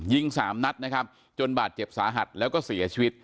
สามนัดนะครับจนบาดเจ็บสาหัสแล้วก็เสียชีวิต